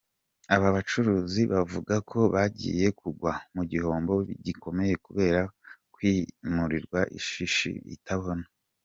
Aba bacuruzi bavuga ko bagiye kugwa mu gihombo gikomeye kubera kwimurwa shishi itabona.